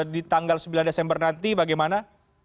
di tanggal sembilan desember nanti bagaimana